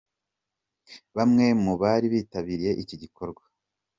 Bamwe mu bari bitabiriye iki gikorwa .